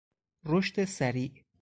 رشد سریع